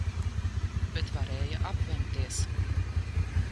Bet varēja apvemties.